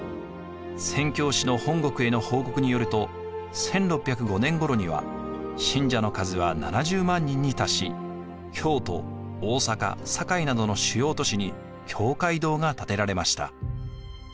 宣教師の本国への報告によると１６０５年ごろには信者の数は７０万人に達し京都・大坂・堺などの主要都市に教会堂が建てられました。